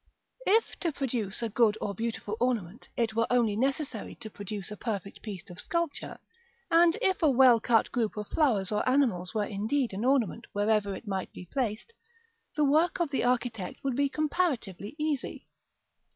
If, to produce a good or beautiful ornament, it were only necessary to produce a perfect piece of sculpture, and if a well cut group of flowers or animals were indeed an ornament wherever it might be placed, the work of the architect would be comparatively easy.